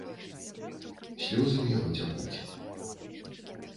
Слёзы ў яго цякуць.